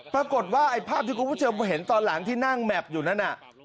ปรากฏว่าไอ้ภาพที่คุณผู้ชมเห็นตอนหลังที่นั่งแมพอยู่นั่นน่ะ